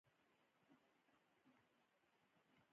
پښتو ژبه پیچلی ګرامري جوړښت لري.